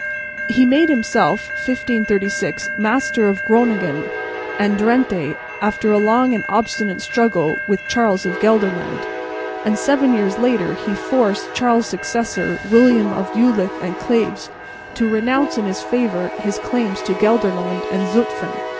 He made himself (1536) master of Groningen and Drente after a long and obstinate struggle with Charles of Gelderland, and seven years later he forced Charles' successor, William of Jülich and Cleves, to renounce in his favour his claims to Gelderland and Zutphen.